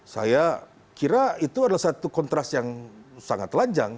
saya kira itu adalah satu kontras yang sangat telanjang